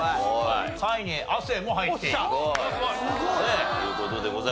３位に亜生も入っているという事でございます。